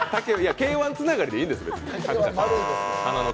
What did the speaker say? Ｋ−１つながりで別にいいんです。